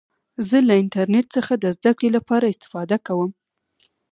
زه له انټرنټ څخه د زدهکړي له پاره استفاده کوم.